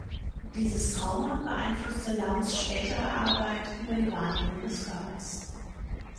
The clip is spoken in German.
Dieses Trauma beeinflusste Lamms spätere Arbeit über die Wahrnehmung des Körpers.